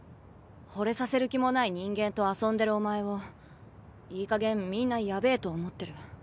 ほれさせる気もない人間と遊んでるお前をいいかげんみんなヤベえと思ってる。